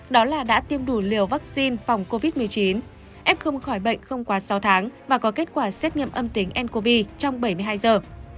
đó là đã tiêm đủ liều vaccine phòng covid một mươi chín f không khỏi bệnh không quá sáu tháng và có kết quả xét nghiệm âm tính ncov trong bảy mươi hai giờ